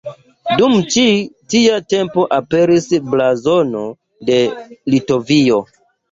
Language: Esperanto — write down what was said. Dum ĉi tia tempo aperis Blazono de Litovio.